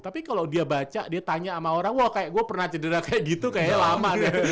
tapi kalau dia baca dia tanya sama orang wah kayak gue pernah cedera kayak gitu kayaknya lama deh